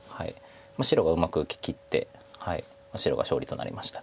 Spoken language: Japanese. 白がうまく受けきって白が勝利となりました。